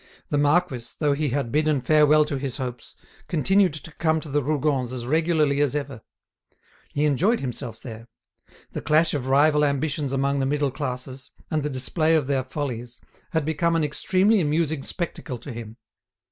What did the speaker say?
The marquis, though he had bidden farewell to his hopes, continued to come to the Rougons' as regularly as ever. He enjoyed himself there. The clash of rival ambitions among the middle classes, and the display of their follies, had become an extremely amusing spectacle to him.